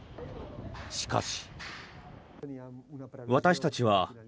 しかし。